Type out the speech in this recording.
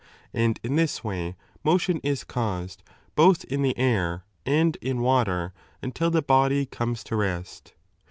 And in this way motion is caused both in the air and in water until the body comes to rest.